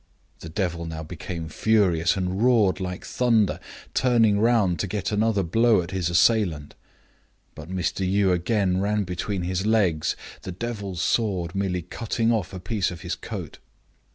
The devil now became furious, and roared like thunder, turning round to get another blow at his assailant. But Mr. Yii again ran between his legs, the devil's sword merely cutting off a piece of his coat.